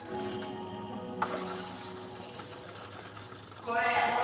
これやこれ。